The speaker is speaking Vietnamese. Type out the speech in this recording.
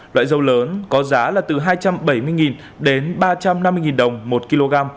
loại dâu lớn có giá là từ hai trăm bảy mươi đến ba trăm năm mươi đồng một kg